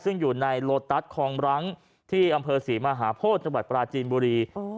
ซึ่งอยู่ในโลตัสคองรังที่อำเภอศรีมหาโพธิจังหวัดปราจีนบุรี